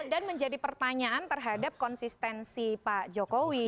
dan menjadi pertanyaan terhadap konsistensi pak jokowi